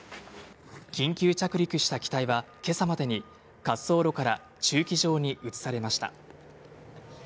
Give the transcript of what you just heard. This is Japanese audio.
緊急着陸した機体は今朝までに滑走路から駐機場に移されました。